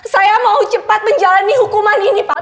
saya mau cepat menjalani hukuman ini pak